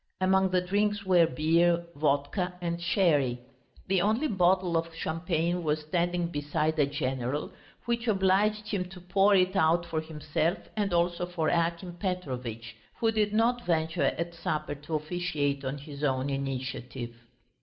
Among the drinks were beer, vodka and sherry. The only bottle of champagne was standing beside the general, which obliged him to pour it out for himself and also for Akim Petrovitch, who did not venture at supper to officiate on his own initiative.